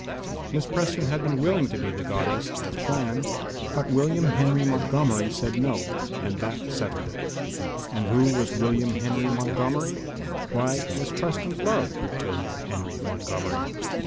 Miss Preston had been willing to be the Goddess, as planned, but William Henry Montgomery said no. And that settled it. And who was William Henry Montgomery? Why, Miss Preston loved William Henry Montgomery.